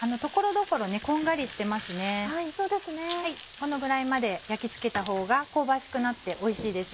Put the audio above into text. このぐらいまで焼き付けたほうが香ばしくなっておいしいです。